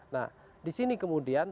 nah disini kemudian